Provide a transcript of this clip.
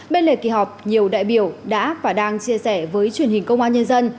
bên lề kỳ họp nhiều đại biểu đã và đang chia sẻ với truyền hình công an nhân dân